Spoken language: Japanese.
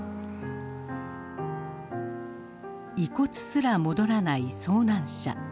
遺骨すら戻らない遭難者。